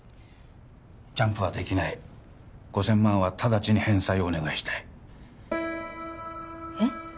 ジャンプはできない５０００万はただちに返済をお願いしたいえっ？